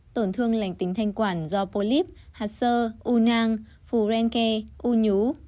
tổn thương lành tính thanh quản do polyp hạt sơ u nang phù ren ke u nhú